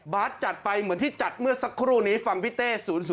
จัดไปเหมือนที่จัดเมื่อสักครู่นี้ฟังพี่เต้๐๐